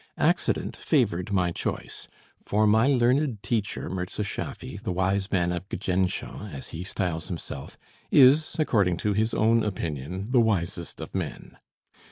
Accident favored my choice, for my learned teacher Mirza Schaffy, the Wise Man of Gjändsha, as he styles himself, is, according to his own opinion, the wisest of men.